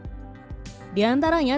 di antaranya delapan bendera mendatang